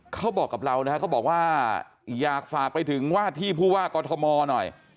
เขาบอกกับเรานะฮะเขาบอกว่าอยากฝากไปถึงว่าที่ผู้ว่ากอทมหน่อย